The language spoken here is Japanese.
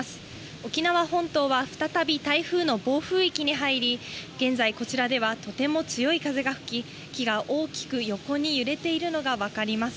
沖縄本島は再び台風の暴風域に入り、現在こちらでは、とても強い風が吹き、木が大きく横に揺れているのがわかります。